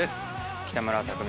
北村匠海